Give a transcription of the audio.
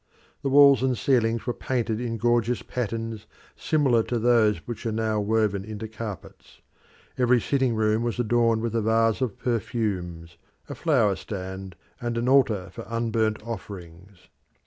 The walls and ceilings were painted in gorgeous patterns similar to those which are now woven into carpets. Every sitting room was adorned with a vase of perfumes, a flower stand, and an altar for unburnt offerings.